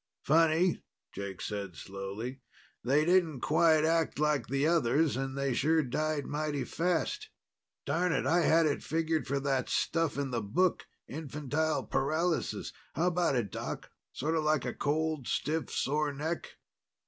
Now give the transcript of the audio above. "Funny," Jake said slowly. "They didn't quite act like the others and they sure died mighty fast. Darn it, I had it figured for that stuff in the book. Infantile paralysis. How about it, Doc? Sort of like a cold, stiff sore neck."